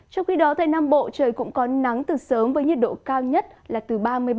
trong khi đó tây nam bộ trời cũng có nắng từ sớm với nhiệt độ cao nhất là từ ba mươi ba độ